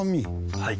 はい。